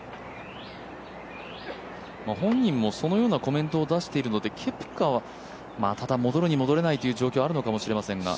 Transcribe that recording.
本人もそのようなコメント出しているのでただ、戻るに戻れない状況もあるのかもしれませんが。